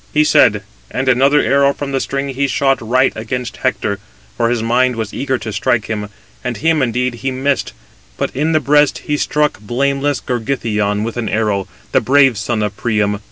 He said; and another arrow from the string he shot right against Hector, for his mind was eager to strike him; and him indeed he missed: but in the breast he struck blameless Gorgythion with an arrow, the brave son of Priam.